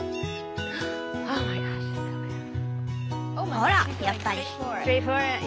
ほらやっぱり。